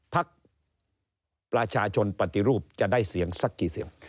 พักประชาชนปฏิรูปจะได้เสียงสักกี่เสียง